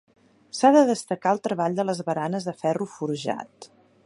S'ha de destacar el treball de les baranes de ferro forjat.